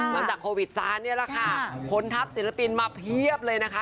หลังจากโควิดซานนี่แหละค่ะผลทัพศิลปินมาเพียบเลยนะคะ